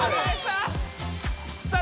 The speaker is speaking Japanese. さあ！